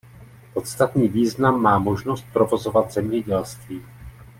Podstatný význam má možnost provozovat zemědělství.